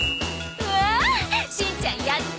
うわしんちゃんやった！